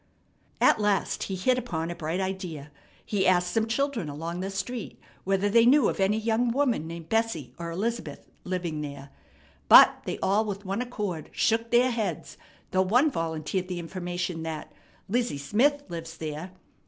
At last he hit upon a bright idea. He asked some children along the street whether they knew of any young woman named Bessie or Elizabeth living there, but they all with one accord shook their heads, though one volunteered the information that "Lizzie Smith lives there."